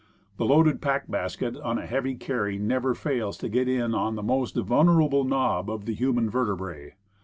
The loaded pack basket on a heavy carry never fails to get in on the most vulnerable knob of the human vertebrae.